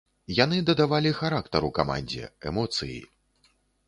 Яны дадавалі характару камандзе, эмоцыі.